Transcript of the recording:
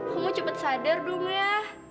kamu cepet sadar dong ya